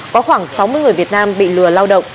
có khoảng sáu mươi người việt nam bị lừa lao động